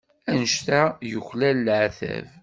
Anect-a yuklal leɛtab.